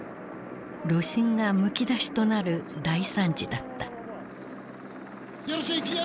炉心がむき出しとなる大惨事だった。